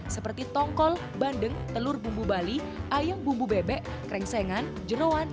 seperti tongkol bandeng telur bumbu bali ayam bumbu bebek krengsengan jerawan